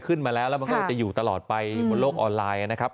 ขึ้นมาแล้วแล้วมันก็จะอยู่ตลอดไปบนโลกออนไลน์นะครับ